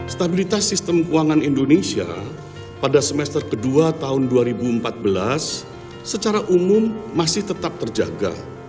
stabilitas sistem keuangan indonesia pada semester kedua tahun dua ribu empat belas secara umum masih tetap terjaga